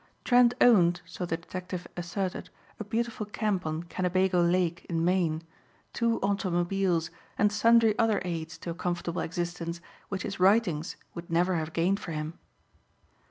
Trent owned, so the detective asserted, a beautiful camp on Kennebago Lake in Maine, two automobiles and sundry other aids to a comfortable existence which his writings would never have gained for him.